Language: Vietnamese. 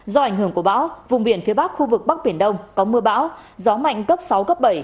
do ảnh hưởng của bão vùng biển phía bắc khu vực bắc biển đông có mưa bão gió mạnh cấp sáu cấp bảy